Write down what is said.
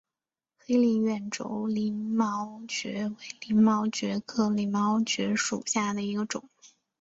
黑鳞远轴鳞毛蕨为鳞毛蕨科鳞毛蕨属下的一个种。